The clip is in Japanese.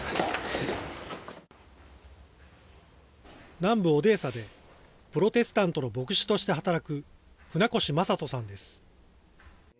南部オデーサでプロテスタントの牧師として働く船越真人さんです。